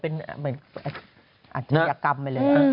เป็นเหมือนอาชญากรรมไปเลย